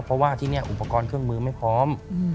เพราะว่าที่นี่อุปกรณ์เครื่องมือไม่พร้อม